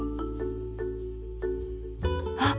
あっ！